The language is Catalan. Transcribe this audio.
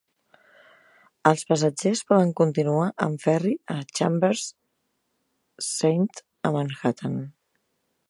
Els passatgers poden continuar amb ferri a Chambers St a Manhattan.